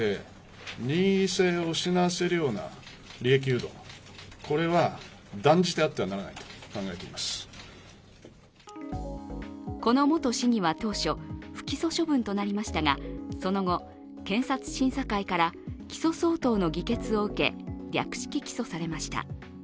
齋藤法務大臣は個別の事件には答えないとしたうえでこの元市議は当初、不起訴処分となりましたが、その後、検察審査会から起訴相当の議決を受け略式起訴されました。